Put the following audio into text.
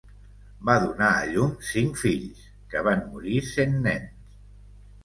Va donar a llum cinc fills que van morir sent nens.